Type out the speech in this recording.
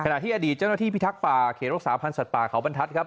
ขณะที่อดีตเจ้าหน้าที่พิทักษ์ป่าเขตรักษาพันธ์สัตว์ป่าเขาบรรทัศน์ครับ